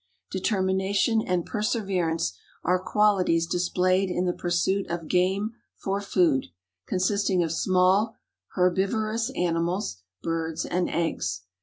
Determination and perseverance are qualities displayed in the pursuit of game for food, consisting of small herbivorous animals, birds, and eggs.